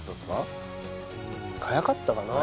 うん早かったかな